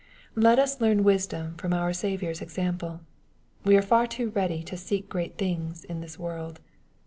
Let us learn wisdom from our Saviour's example. We are far too ready to " seek great things" in this world.